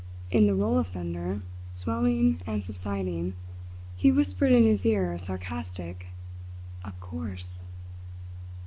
In the roll of thunder, swelling and subsiding, he whispered in his ear a sarcastic: "Of course!"